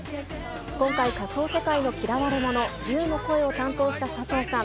今回、仮想世界の嫌われ者、竜の声を担当した佐藤さん。